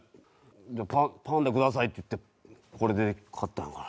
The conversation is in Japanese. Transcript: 「パンダください」って言ってこれで買ったんやから。